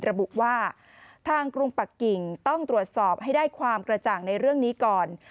ระบุว่าทางกรุงปักกิ่งต้องตรวจสอบให้ได้ความกระจ่างในเรื่องนี้ก่อน